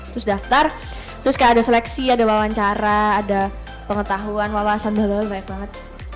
terus daftar terus kayak ada seleksi ada wawancara ada pengetahuan wawasan udah lama banyak banget